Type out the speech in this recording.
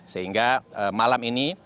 sehingga malam ini